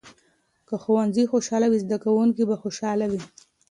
که ښوونځي خوشال وي، زده کوونکي به خوشحاله وي.